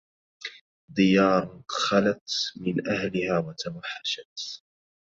ديار خلت من أهلها وتوحشت